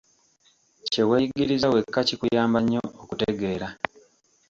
Kye weeyigirizza wekka kikuyamba nnyo okutegeera.